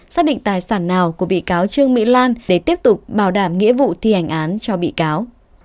xác định tài sản nào của bị cáo trương mỹ lan để tiếp tục bảo đảm nghĩa vụ thi hành án cho bị cáo